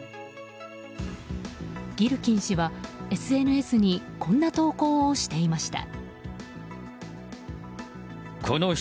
ギルキン氏は、ＳＮＳにこんな投稿をしていました。